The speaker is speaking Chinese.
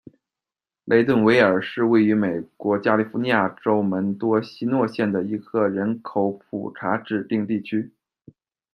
雷顿维尔是位于美国加利福尼亚州门多西诺县的一个人口普查指定地区。